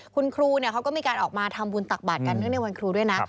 คุณครูเขาก็มีการออกมาทำบุญตักบาทกันเนื่องในวันครูด้วยนะ